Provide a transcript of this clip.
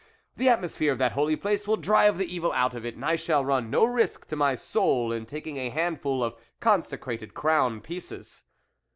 The atmosphere of that holy place will drive the evil out of it, and I shall run no risk to my soul in taking a handful of consecrated crown pieces.